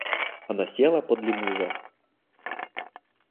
Она села подле мужа.